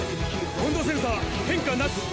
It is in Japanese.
温度センサー変化なし。